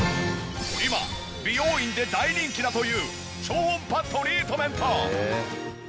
今美容院で大人気だという超音波トリートメント！